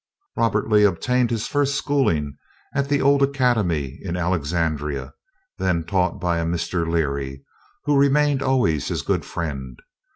Robert Lee obtained his first schooling at the old academy in Alexandria, then taught by a Mr. Leary, who remained always his good friend.